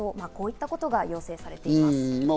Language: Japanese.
こういったことが要請されています。